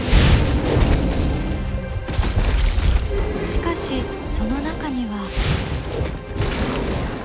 しかしその中には。